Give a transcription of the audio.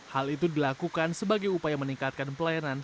hal itu dilakukan sebagai upaya meningkatkan pelayanan